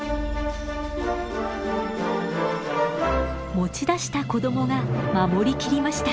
持ち出した子供が守りきりました。